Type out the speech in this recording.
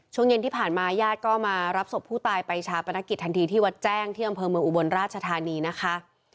ช่วงเย็นที่ผ่านมาญาติก็มารับศพผู้ตายไปชาปนกิจทันทีที่วัดแจ้งที่อำเภอเมืองอุบลราชธานีนะคะ